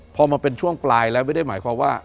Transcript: พอมาเป็นช่วงปลายแล้วไม่ได้หมายความว่า